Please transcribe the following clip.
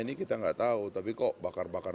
ini kita nggak tahu tapi kok bakar bakar